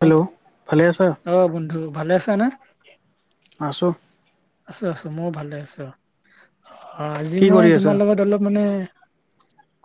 Hello ভালে আছা? অ বন্ধু ভালে আছা না? আছোঁ। আছো আছো মইয়ো ভালে আছো আজি কি মই কৰি আছা? তোমাৰ লগত অলপ মানে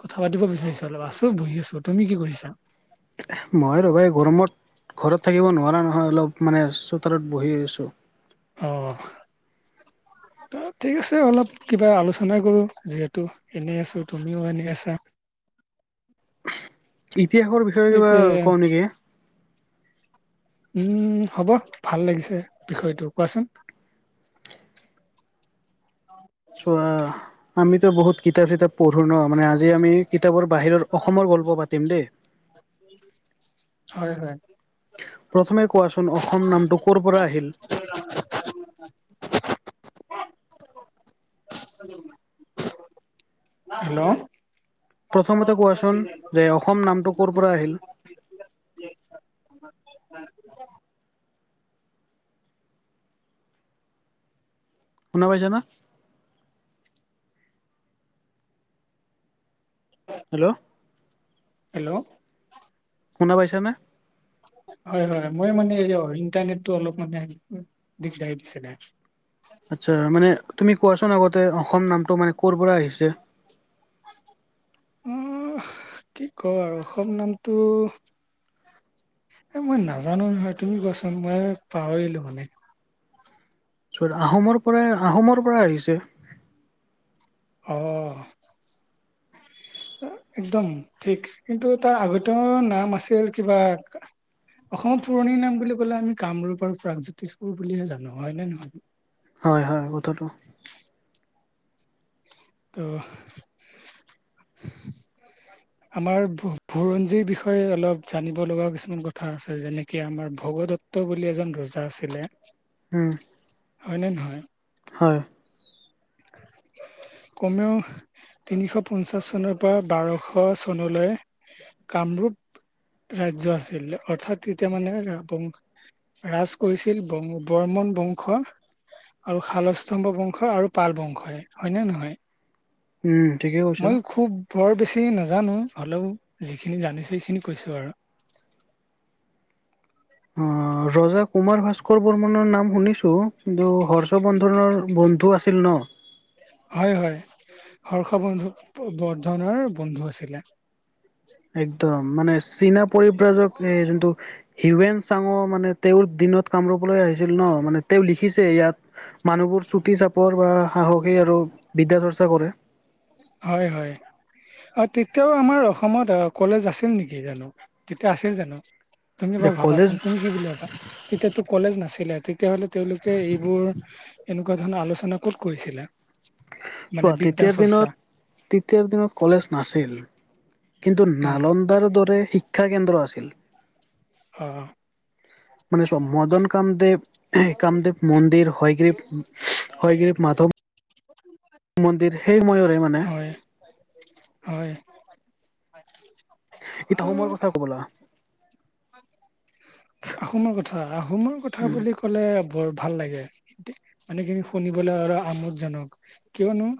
কথা পাতিব বিচাৰিছো অলপ আছো বহি আছো তুমি কি কৰিছা? মই ৰ'বা এই গৰমত ঘৰত থাকিব নোৱাৰা নহয় অলপ মানে চোতালত বহি আছোঁ। অ, ঠিক আছে অলপ কিবা আলোচনা কৰোঁ যিহেতু এনেই আছোঁ তুমিও এনেই আছা। ইতিহাসৰ বিষয় একে উম, হ'ব ভাল লাগিছে বিষয়টো কোৱাচোন। চোৱা আমিতো বহুত কিতাপ চিতাপ পঢ়ো ন' মানে আজি আমি কিতাপৰ বাহিৰৰ অসমৰ গল্প পাতিম দেই। হয় হয়। প্ৰথমে কোৱাচোন অসম নামটো ক'ৰ পৰা আহিল? হেল্ল', প্ৰথমতে কোৱাচোন যে অসম নামটো ক'ৰ পৰা আহিল? শুনা পাইছা না? হেল্ল' হেল্ল', শুনা পাইছা নে? হয় হয় মই মানে ইণ্টাৰনেটটো অলপ মানে দিগদাৰী দিছিলে। আচ্ছা মানে তুমি কোৱাচোন আগতে অসম নামটো মানে ক'ৰ পৰা আহিছিল? উম কি কওঁ আৰু অসম নামটো এই মই নাজানো নহয় তুমি কোৱাচোন মই পাহৰিলো মানে আহোমৰ পৰাই আহোমৰ পৰা আহিছে। অ, একদম ঠিক কিন্তু তাৰ আগতেও নাম আছিল কিবা অসমৰ পুৰণি নাম বুলি ক'লে আমি কামৰূপ আৰু প্ৰগজ্যোতিষপুৰ বুলিহে জানো হয় নে নহয়? হয় হয় কথাটো। ত আমাৰ ভু বুৰঞ্জীৰ বিষয়ে অলপ জানিব লগাও কিছুমান কথা আছে যেনেকে আমাৰ ভগ দত্ত বুলি এজন ৰজা আছিলে উম। হয়নে নহয়? হয়। [inaudible] কমেও তিনিশ পঞ্চাছ চনৰ পৰা বাৰশ চনলৈ কামৰূপ ৰাজ্য আছিল অৰ্থাৎ তেতিয়া মানে ৰাজ কৰিছিল বৰ্মন বংশ আৰু শালস্তম্ভ বংশ আৰু পাল বংশই হয়নে নহয়? উম ঠিকে কৈছা মইও খুব বৰ বেছি নাজানো হ'লেও যিখিনি জানিছোঁ সেইখিনি কৈছোঁ আৰু। অ [inaudible] ৰজা কুমাৰ ভাস্কৰ বৰ্মনৰ নাম শুনিছোঁ, কিন্তু হৰ্ষ বৰ্ধনৰ বন্ধু আছিল ন! হয়, হয়, হৰ্ষ বন্ধু বৰ্ধনৰ বন্ধু আছিলে। একদম, মানে চীনা পৰিব্ৰাজক এই যোনটো হিউৱেন চাঙৰ মানে তেওঁৰ দিনত কামৰূপলৈ আহিছিল ন, মানে তেওঁ লিখিছে ইয়াত মানুহবোৰ চুটি-চাপৰ বা সাহসিক আৰু বিদ্যা চৰ্চা কৰে। হয়, হয়। অ, তেতিয়াও আমাৰ অসমত অ, কলেজ আছিল নেকি জানো! তেতিয়া আছিল জানো! তুমি এবাৰ এতিয়া কলেজ ভাবাচোন! তুমি কি বুলি ভাবা? তেতিয়াতো কলেজ নাছিলে। তেতিয়াহ'লে তেওঁলোকে এইবোৰ, এনেকুৱা ধৰণৰ আলোচনা ক'ত কৰিছিলে? মানে চোৱা তেতিয়াৰ বিদ্যা-চৰ্চা। দিনত তেতিয়াৰ দিনত কলেজ নাছিল, কিন্তু উম নালন ন্দাৰ দৰে শিক্ষা কেন্দ্ৰ আছিল। অ। মানে চব মদন কামদেৱ কামদেৱ [unintelligible] মন্দিৰ হয়গ্ৰীৱ হয়গ্ৰীৱ মাধৱ [unintelligible] মন্দিৰ সেইসময়ৰে মানে হয় হয়। [unintelligible] ত সময়ৰ কথা [unintelligible] আহোমৰ কথা, আহোমৰ উম বুলি ক'লে বৰ ভাল লাগে। মানে সেইখিনি শুনিবলৈ আৰু আমোদজনক, কিয়নো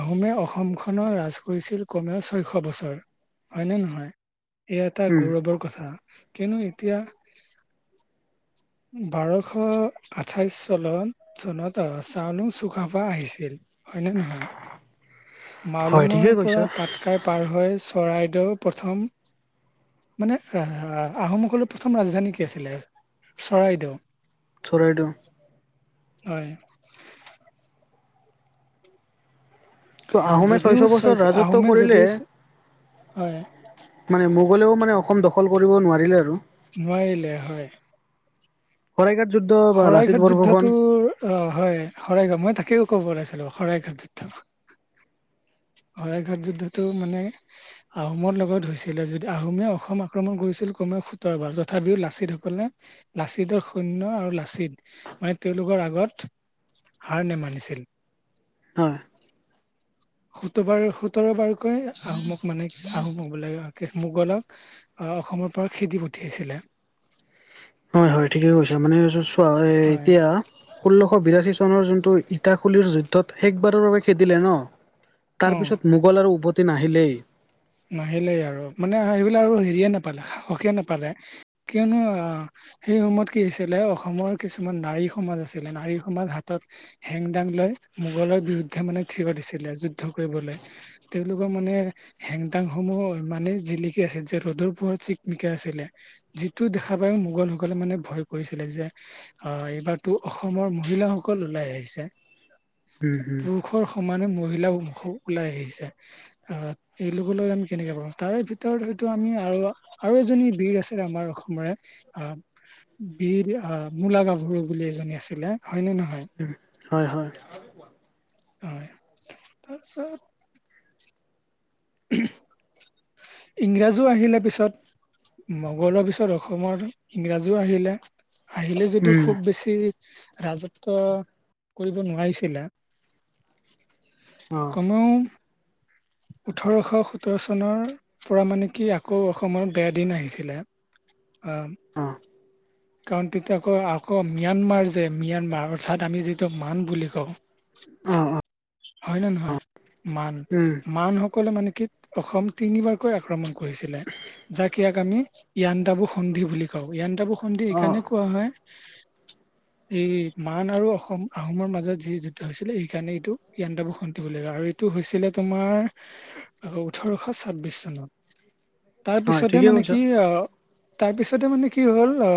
আহোমে অসমখনক ৰাজ কৰিছিল কমেও ছয়শ বছৰ, হয়নে নহয়! এই এটা উম গৌৰৱৰ কথা, কিয়নো এতিয়া বাৰশ আঠাইশ চনত- চনত চাংনুং চুকাফা আহিছিল। হয় নে নহয়! হয় ঠিকেই মাউলুঙৰ কৈছা পৰা পাতকাইত পাৰ হৈ চৰাইদেউ প্ৰথম মানে আহ আহোমসকলৰ প্ৰথম ৰাজধানী কি আছিলে? চৰাইদেউ। চৰাইদেউ। হয়। তো, আহোমে যদিও ছয়শ বছৰ ৰাজত্ব আহোমে কৰিলে যদিও হয় মানে মোগলেও মানে অসম দখল কৰিব নোৱাৰিলে আৰু। নোৱাৰিলে হয়। শৰাইঘাট যুদ্ধ বা লাচিত শৰাইঘাট বৰফুকন যুদ্ধটোৰ অ, হয়, শৰাইঘাট, মই তাকেই ক'ব ওলাইছিলো, শৰাইঘাট যুদ্ধ। শৰাইঘাট যুদ্ধটো মানে আহোমৰ লগত হৈছিলে, যদি আহোমে অসম আক্ৰমণ কৰিছিল কমেও সোতৰবাৰ। তথাপিও লাচিতসকলে লাচিতৰ সৈন্য আৰু লাচিত, মানে তেওঁলোকৰ আগত হাৰ নামানিছিল। হয়। সোতবাৰ-সোতৰবাৰকৈ আহোমক মানে, [unintelligible] মোগলক আহ, অসমৰ পৰা খেদি পঠিয়াইছিলে। হয়, হয়, ঠিকে কৈছে, মানে চোৱা হয় এতিয়া ষোল্লশ বিৰাশী চনৰ যোনটো ইটা খুলীৰ যুদ্ধত শেষবাৰৰ বাবে খেদিলে ন অ তাৰ পিছত মোগল আৰু উভতি নাহিলেই। নাহিলেই আৰু, মানে সেইবিলাক আৰু হেৰিয়ে নাপালে সাহসে নাপালে, কিয়নো সেই সময়ত কি হৈছিলে, অসমৰ কিছুমান নাৰী সমাজ আছিলে, নাৰী সমাজ হাত তত হেংদাং লৈ মোগলৰ বিৰুদ্ধে মানে ঠিব দিছিলে যুদ্ধ কৰিবলৈ, তেওঁলোকৰ মানে হেংদাংসমূহ ইমানে জিলিকি আছিল যে ৰ'দৰ পোহৰত চিকমিকা আছিলে। যিটো দেখা পায় মোগলসকলে মানে ভয় কৰিছিলে যে অ' এইবাৰতো অসমৰ মহিলাসকল ওলাই আহিছে হু, হু। ষৰ সমানে মহিলাও মুখ ওলাই আহিছে। আহ এওঁলোকলৈ আমি কেনেকে পাম, তাৰে ভিতৰত হয়তো আমি আৰু আৰু এজনী বীৰ আছিল আমাৰ অসমৰে আহ বীৰ মূলা গাভৰু বুলি এজনী আছিলে হয় নে নহয়? হু, হয়, হয়। হয়, তাৰপিছত ইংৰাজো আহিলে পিছত। মোগলৰ পিছত অসমত ইংৰাজীও আহিলে, আহিলে যদিও উম খুব বেছি তি ৰাজত্ব কৰিব নোৱাৰিছিলে। অ কমেও ওঠৰশ সোতৰ চনৰ পৰা মানে কি আকৌ অসমত বেয়া দিন আহিছিলে। অ'। অ'। কাৰণ তেতিয়া আকৌ আকৌ ম্যানমাৰ যে ম্যানমাৰ অৰ্থাৎ যিটো মান বুলি কওঁ। অ অ হয় নে নহয়? মান উম মানসকলে মানে কি অসম তিনিবাৰকৈ আক্ৰমণ কৰিছিলে, যাক ইয়াক আমি য়াণ্ডাবু সন্ধি বুলি কওঁ, যাণ্ডাবু সন্ধি অ এইকাৰণে কোৱা হয় এই মান আৰু অসম আহোমৰ মাজত যি যুদ্ধ হৈছিলে সেইকাৰণে এইটো য়াণ্ডাবু সন্ধি বুলি কয় আৰু এইটো হৈছিলে তোমাৰ আহ ওঠৰশ ছাব্বিশ চনত। তাৰ হয় পিছতে ঠিকে মানে কৈছা কি আহ তাৰপিছতে মানে কি হ'ল আ,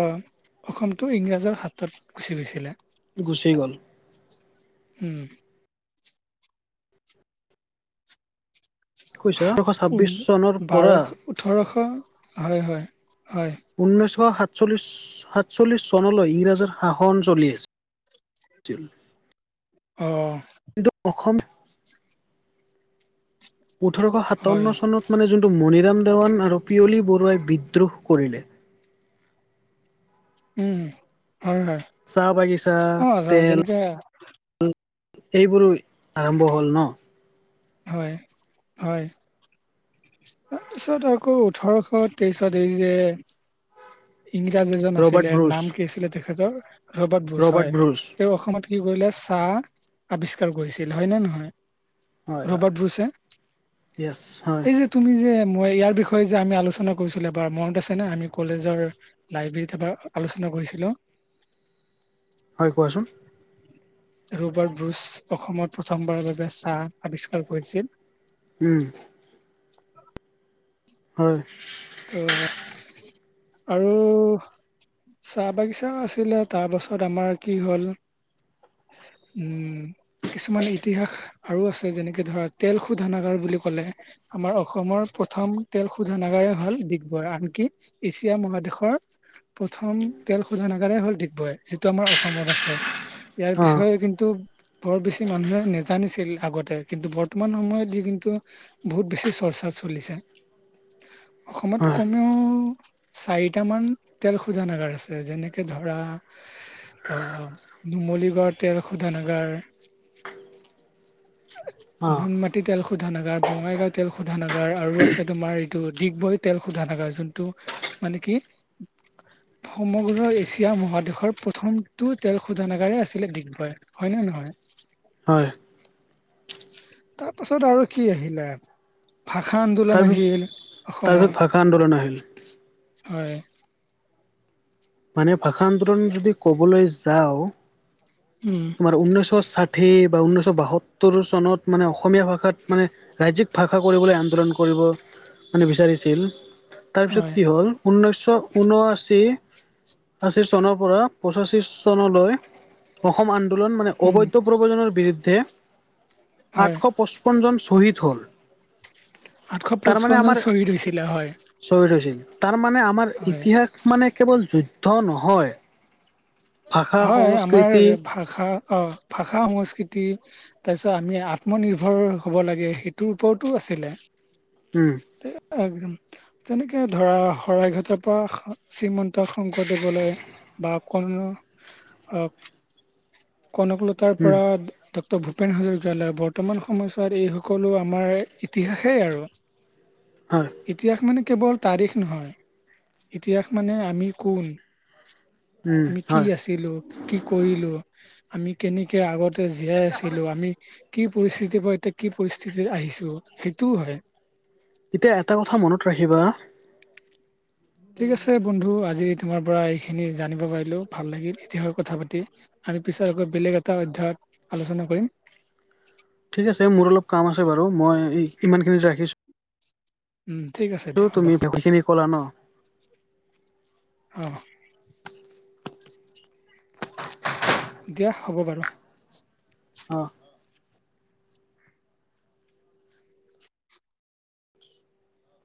অসমটো ইংৰাজৰ হাতত গুচি গৈছিলে। গুচি গ'ল। উম। কৈছ, ওঠৰশ ঊন ছাব্বিশ চনৰ পৰা বাৰশ ওঠৰশ হয় হয়, হয়। ঊনৈছশ সাতচল্লিশ সাতচল্লিশ চনলৈ ইংৰাজৰ শাসন চলি আ ছিল। অ'। কিন্তু অসম ওঠৰশ হয় সাতাৱন্ন চনত মানে যোনটো মণিৰাম দেৱান আৰু পিয়লি বৰুৱাই বিদ্ৰোহ কৰিলে উম, হয়, হয়, চাহ বাগিচা অ' যা তেল যেনেকে এইবোৰো আৰম্ভ হ'ল ন'? হয়, হয়। তাৰপিছত আকৌ ওঠৰশ তেইশত এই যে ইংৰাজ এজন ৰবাৰ্ট আছিলে ব্ৰুচ নাম কি আছিলে তেখেতৰ ৰবাৰ্ট বোছ হয়, তেওঁ অসমত কি কৰিলে চাহ আৱিষ্কাৰ কৰিছিল হয় নে নহয়? হয়, হয়, ৰবাৰ্ট ব্ৰুছে। ইয়েছ হয়। এই তুমি যে মই ইয়াৰ বিষয়ে যে আমি আলোচনা কৰিছিলোঁ এবাৰ মনত আছে নে, আমি কলেজৰ লাইব্ৰেৰীত এবাৰ আলোচনা কৰিছিলোঁ। হয় কোৱাচোন ৰবাৰ্ট ব্ৰুছ অসমত প্ৰথমবাৰৰ বাবে চাহ আৱিষ্কাৰ কৰিছিল। উম। হয়। অ' আৰু চাহ বাগিচা আছিলে তাৰ পাছত আমাৰ কি হ'ল। উম কিছুমান ইতিহাস আৰু আছে যেনেকে ধৰা তেল শোধনাগাৰ বুলি ক'লে আমাৰ অসমৰ প্ৰথম তেল শোধনাগাৰ হ'ল ডিগবৈ আনকি এছিয়া মহাদেশৰ প্ৰথম তেল শোধনাগাৰেই হ'ল ডিগবৈ যিটো আমাৰ অসমত আছে ইয়াৰ অ বিষয়ে কিন্তু বৰ বেছি মানুহে নেজানিছিল আগতে কিন্তু বৰ্তমান সময়ত যি কিন্তু বহুত বেছি চৰ্চা চলিছে অসমত হয় কমেও চাৰিটামান তেল শোধনাগাৰ আছে যেনেকে ধৰা অহ নুমলীগড় তেল শোধনাগাৰ [unintelligible] অ নুনমাটি তেল শোধনাগাৰ বঙাইগাঁও তেল শোধনাগাৰ আৰু আছে তোমাৰ এইটো ডিগবৈত তেল শোধানাগাৰ যোনটো মানে কি সমগ্ৰ এছিয়া মহাদেশৰ প্ৰথমটো তেল শোধনাগাৰে আছিলে ডিগবৈত হয় নে নহয় হয় তাৰপাছত আৰু কি আহিলে ভাষা আন্দোলন তাৰপিছ আহিল তাৰপিছত অসমত ভাষা আন্দোলন আহিল হয় মানে ভাষা আন্দোলন যদি ক'বলৈ যাওঁ উম তোমাৰ ঊনৈছশ ষাঠি বা ঊনৈছশ বাসত্তৰ চনত মানে অসমীয়া ভাষাত মানে ৰাজ্যিক ভাষা কৰিবলৈ আন্দোলন কৰিব মানে বিচাৰিছিল তাৰপিছত হয় কি হ'ল ঊনৈছশ ঊনআশী আষী চনৰ পৰা পঁচাষী চনলৈ অসম আন্দোলন মানে উম অবৈধ প্ৰৱজনৰ বিৰুদ্ধে হয় আঠশ পঁস্পনজন শ্বহীদ হ'ল আঠশ তাৰমানে পঁস্পনজন আমাৰ শ্বহীদ হৈছিলে হয় শ্বহীদ হৈছিল তাৰ মানে আমাৰ হয় ইতিহাস মানে কেৱল যুদ্ধ নহয় ভাষা হয় আমাৰ সংস্কৃতি ভাষা অ ভাষা সংস্কৃতি তাৰপিছত আমি আত্মনিৰ্ভৰ হ'ব লাগে সেইটোৰ ওপৰতো আছিলে উম [unintelligible] তেনেকে ধৰা শৰাইঘাটৰ পৰা শ্ৰীমন্ত শংকৰদেৱলৈ বা কোনো আহ কনকলতাৰ উম পৰা ডক্তৰ ভূপেন হাজৰিকা লৈ বৰ্তমান সময়ছোৱাত এই সকলো আমাৰ ইতিহাসেই আৰু [inaudible] [unintelligible] ইতিহাস মানে কেৱল তাৰিখ নহয় ইতিহাস মানে আমি কোন উম আমি কি হয় আছিলো কি কৰিলো আমি কেনেকে আগতে জীয়াই আছিলো আমি কি পৰিস্থিতিৰ পৰা এতিয়া কি পৰিস্থিতিত আহিছো সেইটোও হয় এতিয়া এটা কথা মনত ৰাখিবা ঠিক আছে বন্ধু আজি তোমাৰ পৰা এইখিনি জানিব পাৰিলো ভাল লাগিল ইতিহাসৰ কথা পাতি আমি পিছত আকৌ বেলেগ এটা অধ্যায়ত আলোচনা কৰিম। ঠিক আছে মোৰ অলপ কাম আছে বাৰু মই ইমান খিনিতে ৰাখিছো উম ঠিক আছে। দিয়া হ'ব তুমি বহুত খিনি ক'লা ন। অ দিয়া হ'ব বাৰু। অ